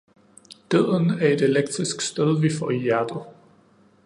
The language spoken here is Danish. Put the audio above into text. Døden er et elektrisk stød, vi får i hjertet.